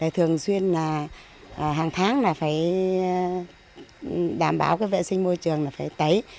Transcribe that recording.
thường xuyên là hàng tháng phải đảm bảo vệ sinh môi trường phải tấy